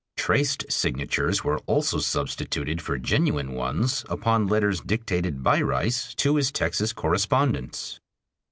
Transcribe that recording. Traced signatures were also substituted for genuine ones upon letters dictated by Rice to his Texas correspondents.